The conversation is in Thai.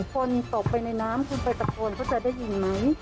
คนตกไปในน้ำคุณไปตะโกนเขาจะได้ยินไหม